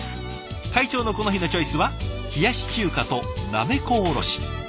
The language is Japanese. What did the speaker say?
会長のこの日のチョイスは冷やし中華となめこおろし。